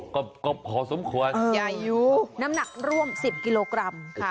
กบกบขอสมควรอืมยายูน้ำหนักร่วมสิบกิโลกรัมค่ะ